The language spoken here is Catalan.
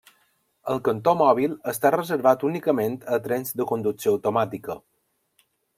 El cantó mòbil està reservat únicament a trens de conducció automàtica.